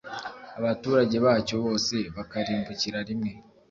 abaturage bacyo bose bakarimbukira rimwe